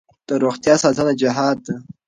د روغتیا ساتنه جهاد دی.